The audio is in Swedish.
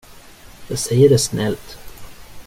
Jag säger det snällt.